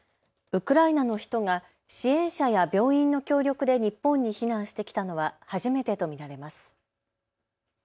ウクライナの人が支援者や病院の協力で日本に避難してきたのは初めてと見られます。